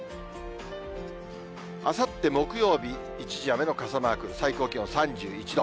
あさって木曜日、一時雨の傘マーク、最高気温３１度。